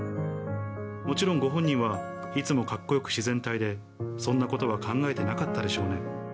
もちろん、ご本人はいつもかっこよく自然体で、そんなことは考えてなかったでしょうね。